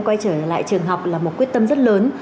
quay trở lại trường học là một quyết tâm rất lớn